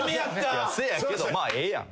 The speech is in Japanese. せやけどまあええやん。